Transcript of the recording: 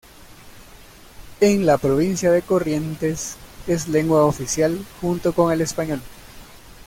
En la provincia de Corrientes es lengua oficial junto con el español.